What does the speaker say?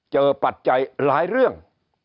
ปัจจัยหลายเรื่อง